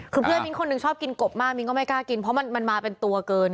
คือเพื่อนมิ้นคนหนึ่งชอบกินกบมากมิ้นก็ไม่กล้ากินเพราะมันมาเป็นตัวเกิน